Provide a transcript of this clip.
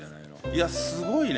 いやすごいね。